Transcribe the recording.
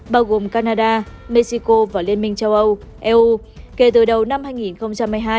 bao gồm canada mexico và liên minh châu âu eu kể từ đầu năm hai nghìn hai mươi hai